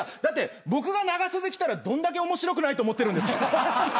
だって僕が長袖着たらどんだけ面白くないと思ってるんですか？